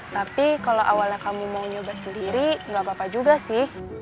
tapi kalau awalnya kamu mau nyoba sendiri nggak apa apa juga sih